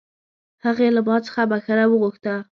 هغې له ما څخه بښنه وغوښته